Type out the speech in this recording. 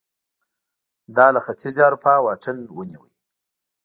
دا له ختیځې اروپا واټن ونیو